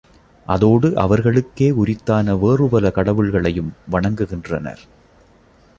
அதோடு அவர்களுக்கே உரித்தான வேறுபல கடவுள்களையும் வணங்குகின்றனர்.